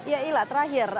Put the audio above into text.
iya ila terakhir